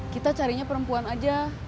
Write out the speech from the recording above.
kita carinya perempuan aja